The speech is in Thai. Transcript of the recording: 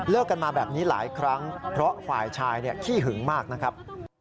กันมาแบบนี้หลายครั้งเพราะฝ่ายชายขี้หึงมากนะครับ